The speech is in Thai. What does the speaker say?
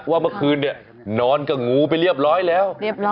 ว่าเมื่อคืนเนี่ยนอนกับงูไปเรียบร้อยแล้ว